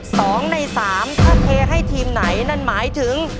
สองในสามถ้าเทให้ทีมไหนนั่นหมายถึง